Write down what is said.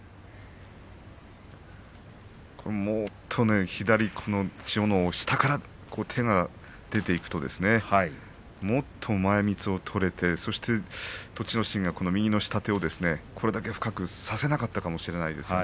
もっと千代ノ皇、左を下から手が出ていくともっと前みつを取れて栃ノ心が右の下手を深く差せなかったかもしれませんね。